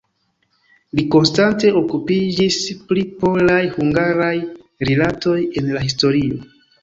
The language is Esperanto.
Li konstante okupiĝis pri polaj-hungaraj rilatoj en la historio.